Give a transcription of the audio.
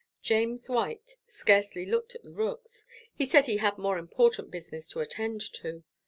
James White scarcely looked at the rooks; he said he had more important business to attend to.